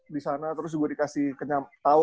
di sana terus gue dikasih tau